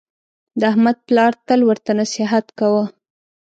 د احمد پلار تل ورته نصحت کاوه: